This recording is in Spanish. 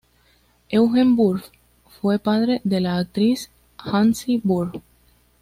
Eugen Burg fue padre de la actriz Hansi Burg.